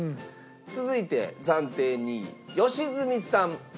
続いて暫定２位良純さん。